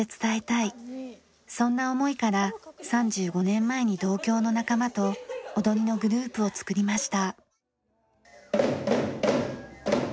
そんな思いから３５年前に同郷の仲間と踊りのグループを作りました。